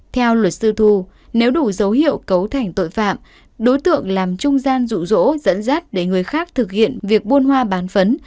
theo luật sư thu nếu đủ dấu hiệu cấu thành tội phạm đối tượng làm trung gian rụ rỗ dẫn dắt để người khác thực hiện việc buôn hoa bán phấn